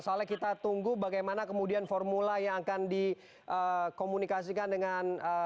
soalnya kita tunggu bagaimana kemudian formula yang akan dikomunikasikan dengan